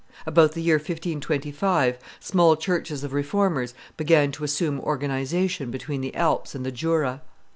About the year 1525 small churches of Reformers began to assume organization between the Alps and the Jura.